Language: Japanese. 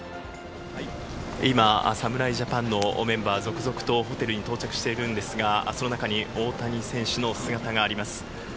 今、侍ジャパンのメンバー、続々とホテルに到着しているんですが、その中に大谷選手の姿があります。